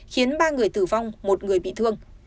khiến ba người tử vong một người bị thương